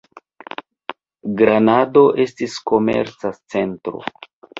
Granado estis komerca centro.